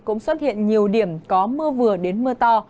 cũng xuất hiện nhiều điểm có mưa vừa đến mưa to